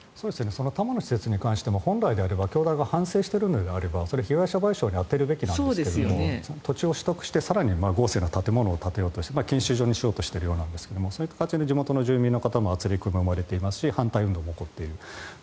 多摩の施設に関しても本来であれば教団が反省しているのであれば被害者賠償に充てるべきなんですが土地を取得して更に豪勢な建物を建てようとして研修所にしようとしているようなそういう形で地元の住民の方ともあつれきが生まれていますし反対運動も起こっている。